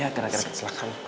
ya gara gara ke belakang